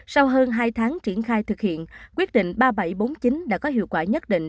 sau hơn hai tháng triển khai thực hiện quyết định ba nghìn bảy trăm bốn mươi chín đã có hiệu quả nhất định